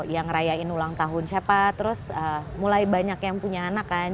yang ngerayain ulang tahun siapa terus mulai banyak yang punya anak kan